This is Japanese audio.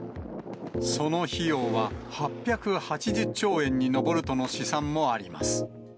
その費用は８８０兆円に上るとの試算もあります。